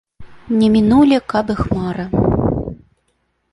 Не мінулі, каб іх мара.